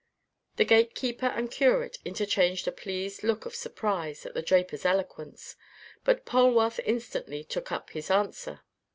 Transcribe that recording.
The gate keeper and curate interchanged a pleased look of surprise at the draper's eloquence, but Polwarth instantly took up his answer.